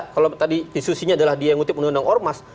kalau tadi diskusinya adalah dia yang ngutip undang undang ormas